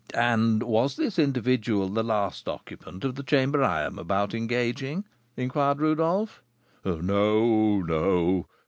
"And was this individual the last occupant of the chamber I am about engaging?" inquired Rodolph. "No, no!